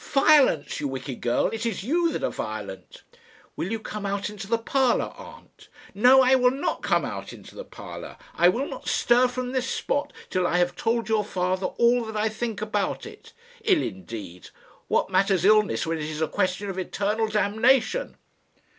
"Violence, you wicked girl! It is you that are violent." "Will you come out into the parlour, aunt?" "No, I will not come out into the parlour. I will not stir from this spot till I have told your father all that I think about it. Ill, indeed! What matters illness when it is a question of eternal damnation!"